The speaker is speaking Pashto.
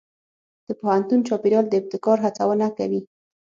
د پوهنتون چاپېریال د ابتکار هڅونه کوي.